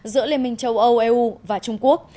giữa liên minh châu âu eu và trung quốc